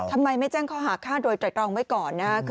ทำไมไม่แจ้งข้อหาภาพไว้ก่อน